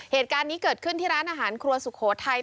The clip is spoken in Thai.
เหตุการณ์นี้เกิดขึ้นที่ร้านอาหารครัวสุโขทัย